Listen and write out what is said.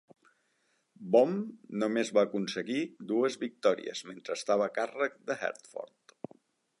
Bohme només va aconseguir dues victòries mentre estava a càrrec de Herford.